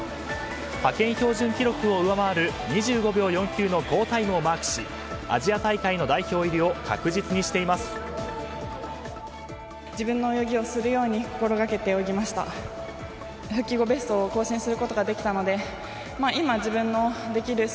派遣標準記録を上回る２５秒４９の好タイムをマークしアジア大会の代表入りを確実にしています。